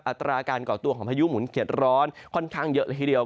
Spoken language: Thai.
อัตราการก่อตัวของพายุหมุนเข็ดร้อนค่อนข้างเยอะละทีเดียว